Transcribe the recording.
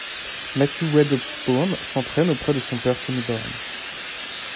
Matthew Wade Osbourne s'entraîne auprès de son père Tony Borne.